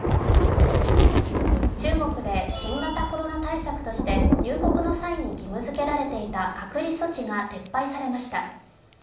中国で新型コロナ対策として入国の際に義務付けられていた隔離措置が撤廃されました。